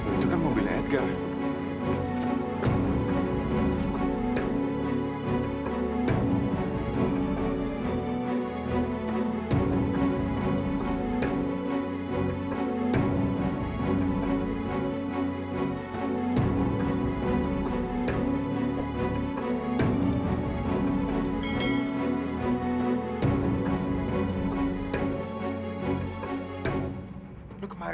itu kan mobilnya edgar